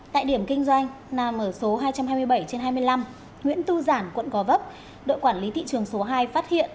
tại điểm kinh doanh nằm ở số hai trăm hai mươi bảy trên hai mươi năm nguyễn tu giản quận gò vấp đội quản lý thị trường số hai phát hiện